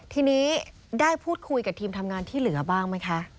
ทีนี้ได้พูดคุยกับทีมทำงานที่เหลือบ้างไหมคะ